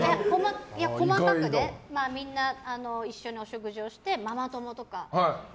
みんな一緒にお食事をしてママ友とかと。